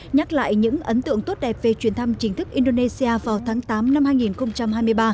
nhắc lại những ấn tượng tốt đẹp về chuyến thăm chính thức indonesia vào tháng tám năm hai nghìn hai mươi ba